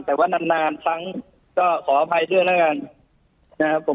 แต่ว่านานนานทั้งก็ขออภัยเพื่อนแล้วกันนะครับ